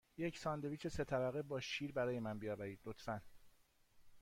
یک ساندویچ سه طبقه با شیر برای من بیاورید، لطفاً.